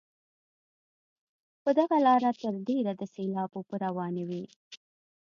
په دغه لاره تر ډېره د سیلاب اوبه روانې وي.